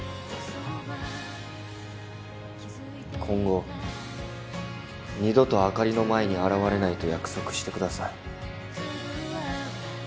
今後二度とあかりの前に現れないと約束してください。